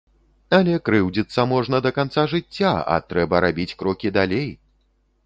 Але крыўдзіцца можна да канца жыцця, а трэба рабіць крокі далей!